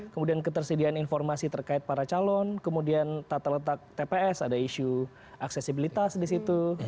kemudian ketersediaan informasi terkait para calon kemudian tata letak tps ada isu aksesibilitas di situ